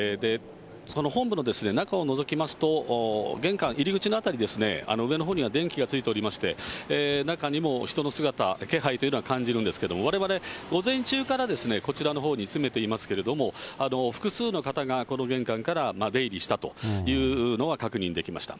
その本部の中をのぞきますと、玄関、入り口の辺りですね、上のほうには電気がついておりまして、中にも人の姿、気配というのは感じるんですけれども、われわれ、午前中からこちらのほうに詰めていますけれども、複数の方がこの玄関から出入りしたというのは確認できました。